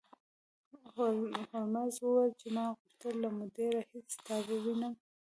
هولمز وویل چې ما غوښتل له مودې راهیسې تا ووینم